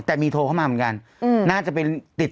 แต่มีโทรเข้ามาเหมือนกัน